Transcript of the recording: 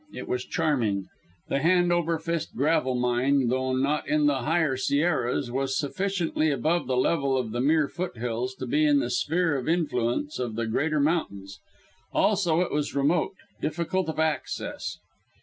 It was charming. The Hand over fist Gravel Mine, though not in the higher Sierras, was sufficiently above the level of the mere foot hills to be in the sphere of influence of the greater mountains. Also, it was remote, difficult of access.